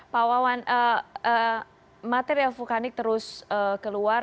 pak wawan material vulkanik terus keluar